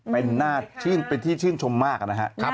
เป็นที่ชื่นชมมากนะครับ